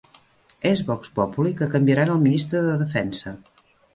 És 'vox populi' que canviaran el ministre de defensa.